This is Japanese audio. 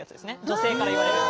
女性から言われる。